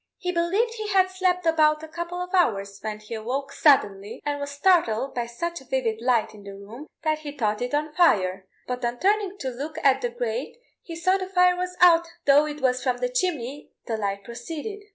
He believed he had slept about a couple of hours when he awoke suddenly, and was startled by such a vivid light in the room that he thought it on fire, but on turning to look at the grate he saw the fire was out, though it was from the chimney the light proceeded.